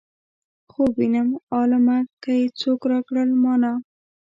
خوب وينم عالمه که یې څوک راکړل مانا.